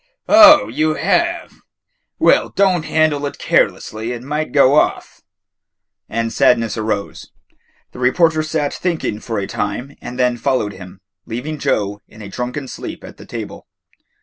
"Oh, you have? Well, don't handle it carelessly; it might go off." And Sadness rose. The reporter sat thinking for a time and then followed him, leaving Joe in a drunken sleep at the table.